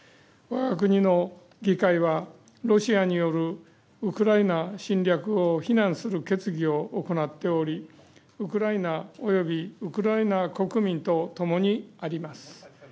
我が国の議会はロシアによるウクライナ侵略を非難する決議を行っておりウクライナ及びウクライナ国民と共にあります。